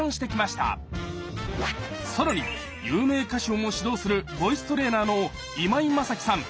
更に有名歌手をも指導するボイストレーナーの今井マサキさん